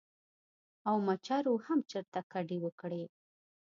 او مچرو هم چرته کډې وکړې ـ